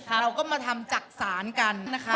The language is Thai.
เราก็มาทำจักษานกันนะคะ